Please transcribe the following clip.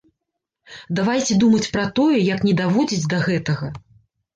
Давайце думаць пра тое, як не даводзіць да гэтага.